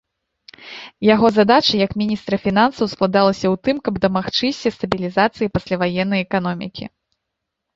Яго задача, як міністра фінансаў складалася ў тым, каб дамагчыся стабілізацыі пасляваеннай эканомікі.